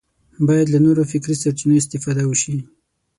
باید له نورو فکري سرچینو استفاده وشي